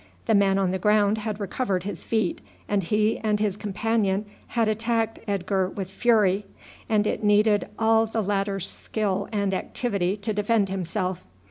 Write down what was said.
The man on the ground had recovered his feet, and he and his companion had attacked Edgar with fury, and it needed all the latter's skill and activity to defend himself.